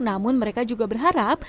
namun mereka juga berharap